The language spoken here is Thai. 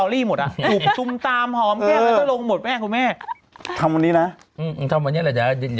เพราะว่าไปหมดแล้วแต่ครั้งนั้น